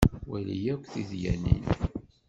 Wali akk tidyanin.